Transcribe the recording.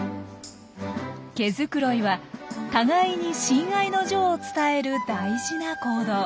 毛づくろいは互いに親愛の情を伝える大事な行動。